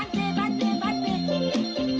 โอ้ยไม่สงสารกูเลยนะ